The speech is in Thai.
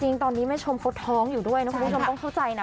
จริงตอนนี้แม่ชมเขาท้องอยู่ด้วยนะคุณผู้ชมต้องเข้าใจนะ